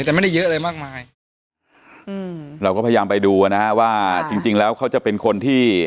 แต่ไม่ได้เยอะอะไรมากมายอืมเราก็พยายามไปดูอ่ะนะฮะว่าจริงจริงแล้วเขาจะเป็นคนที่